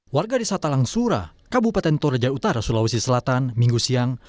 warga di satalang surah kabupaten toraja utara sulawesi selatan minggu siang